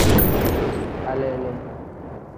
Alele.